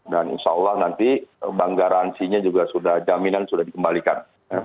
dan insya allah nanti bank garansinya juga sudah jaminan sudah dikembalikan